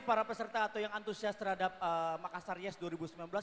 para peserta atau yang antusias terhadap makassar yes dua ribu sembilan belas